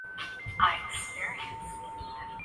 جنون صرف اچھی نہیں ناگزیر چیز ہے۔